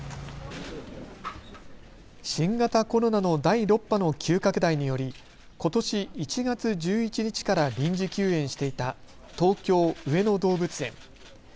新型コロナの第６波の急拡大によりことし１月１１日から臨時休園していた東京・上野動物園。